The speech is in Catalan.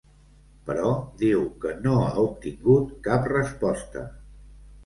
Però diu que no ha obtingut cap resposta.